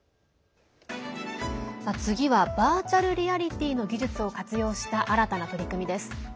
次はバーチャルリアリティーの技術を活用した新たな取り組みです。